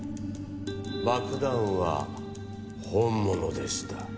爆弾は本物でした。